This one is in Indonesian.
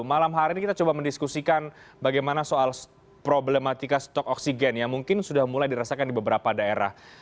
malam hari ini kita coba mendiskusikan bagaimana soal problematika stok oksigen yang mungkin sudah mulai dirasakan di beberapa daerah